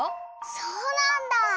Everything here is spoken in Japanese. そうなんだ！